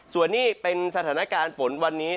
ส่วนนี้เป็นสถานการณ์ฝนวันนี้